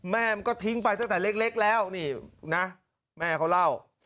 แม่มันก็ทิ้งไปตั้งแต่เล็กแล้วนี่นะแม่เขาเล่า